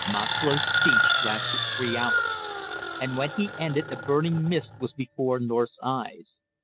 Moxlow's speech lasted three hours, and when he ended a burning mist was before North's eyes.